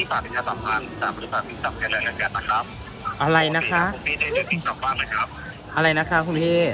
ปกติแล้วคุณพี่ได้ดูสิ่งสำบางเลยครับ